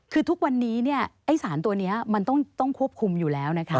คือทุกวันนี้ไอ้สารตัวนี้มันต้องควบคุมอยู่แล้วนะคะ